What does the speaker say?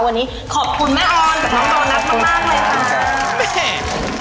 วันนี้ขอบคุณแม่ออนกับน้องโตนัสมากเลยค่ะ